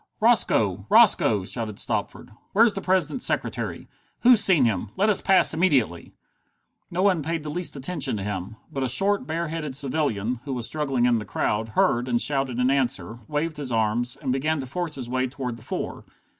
"Roscoe! Roscoe!" shouted Stopford. "Where's the President's secretary? Who's seen him? Let us pass immediately!" No one paid the least attention to him. But a short, bare headed civilian, who was struggling in the crowd, heard, and shouted in answer, waved his arms, and began to force his way toward the four.